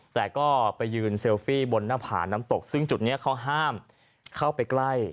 แต่ก็ไปยืนเซลฟี่บนหน้าผาน้ำตกซึ่งจุดนี้เขาห้ามเข้าไปใกล้